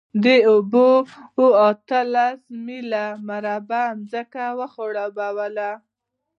دې اوبو اتلس میله مربع ځمکه خړوبوله.